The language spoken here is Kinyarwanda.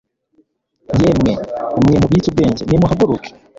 yemwe mwe mubitse ubwenge nimuhaguruke